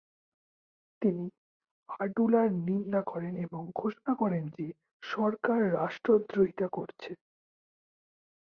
তিনি আডুলার নিন্দা করেন এবং ঘোষণা করেন যে, সরকার রাষ্ট্রদ্রোহিতা করছে।